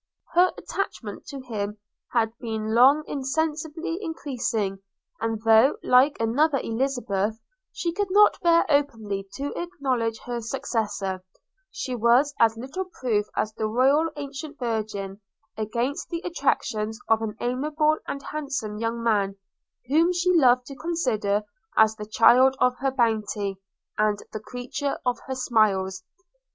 Her attachment to him had been long insensibly increasing; and though, like another Elizabeth, she could not bear openly to acknowledge her successor, she was as little proof as the royal ancient virgin, against the attractions of an amiable and handsome young man, whom she loved to consider as the child of her bounty, and the creature of her smiles.